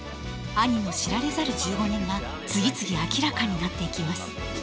兄の知られざる１５年が次々明らかになっていきます。